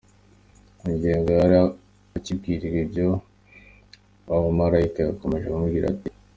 Mu gihe ngo yari akibwira ibyo, wa mumarayika yakomeje amubwira ati :